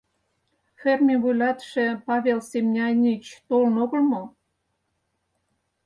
Ферме вуйлатыше Павел Семняйныч толын огыл мо?